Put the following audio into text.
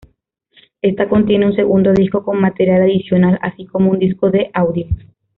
Esta contiene un segundo disco con material adicional, así como un disco de audio.